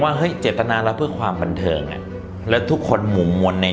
ว่าเฮ้ยเจตนาแล้วเพื่อความบันเทิงแล้วทุกคนหมู่มวลใน